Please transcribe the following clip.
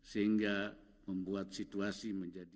sehingga membuat situasi menjadi